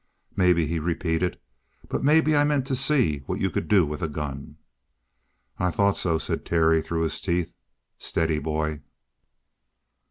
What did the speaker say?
"Maybe," he repeated. "But maybe I meant to see what you could do with a gun." "I thought so," said Terry through his teeth. "Steady, boy!"